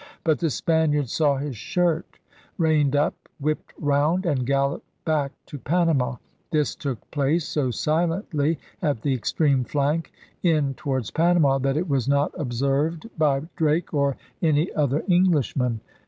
But the Spaniard saw his shirt, reined up, whipped round, and galloped back to Panama. This took place so silently at the extreme flank in towards Panama that it was not observed by Drake or any other Englishman.